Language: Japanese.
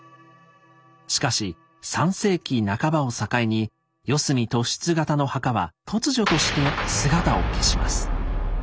しかし３世紀半ばを境に四隅突出型の墓は突如として姿を消します。